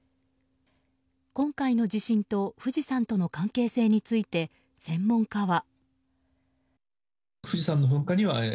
今回の地震と富士山との関係性について専門家は。